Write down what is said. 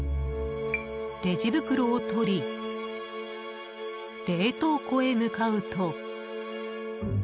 レジ袋を取り冷凍庫へ向かうと。